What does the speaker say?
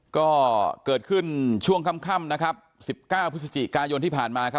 ก็เกิดขึ้นช่วงค่ำนะครับ๑๙พฤศจิกายนที่ผ่านมาครับ